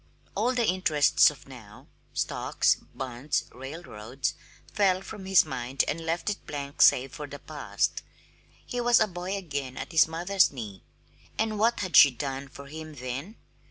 All the interests of now stocks, bonds, railroads fell from his mind and left it blank save for the past. He was a boy again at his mother's knee. And what had she done for him then?